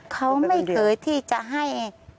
เขาไม่เคยที่จะให้